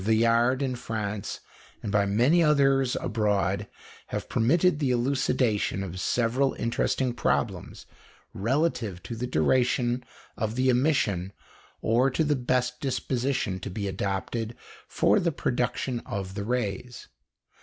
Villard, in France, and by many others abroad, have permitted the elucidation of several interesting problems relative to the duration of the emission or to the best disposition to be adopted for the production of the rays.